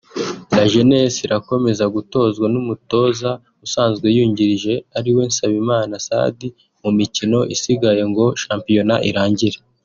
La Jeunesse irakomeza gutozwa n’umutoza usanzwe yungirije ariwe Nsabimana Sadi mu mikino isigaye ngo shampiyona irangire